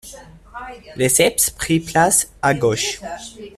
Lesseps prit place à gauche.